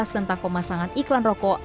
tentang pemasangan iklan rokok